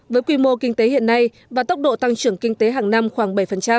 với quy mô kinh tế hiện nay và tốc độ tăng trưởng kinh tế hàng năm khoảng bảy